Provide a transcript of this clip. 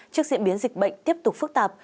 trước diễn biến dịch bệnh tiếp tục phức tạp